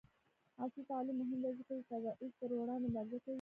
عصري تعلیم مهم دی ځکه چې د تبعیض پر وړاندې مبارزه کوي.